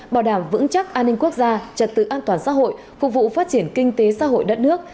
bảo đảm vững chắc an ninh quốc gia trật tự an toàn xã hội phục vụ phát triển kinh tế xã hội đất nước